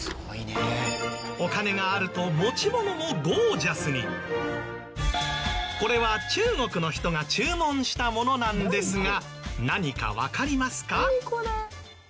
お金があるとこれは中国の人が注文したものなんですが何かわかりますか？